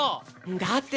だって